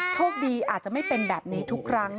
โชคดีอาจจะไม่เป็นแบบนี้ทุกครั้ง